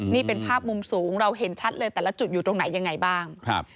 นี่เป็นภาพมุมสูงเราเห็นชัดเลยแต่ละจุดอยู่ตรงไหนยังไงบ้างครับ